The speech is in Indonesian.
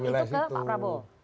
baiknya jangan masuk gila situ